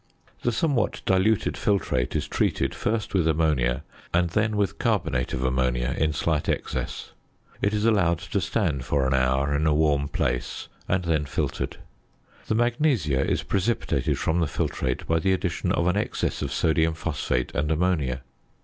The somewhat diluted filtrate is treated, first, with ammonia, and then with carbonate of ammonia in slight excess. It is allowed to stand for an hour in a warm place, and then filtered. The magnesia is precipitated from the filtrate by the addition of an excess of sodium phosphate and ammonia.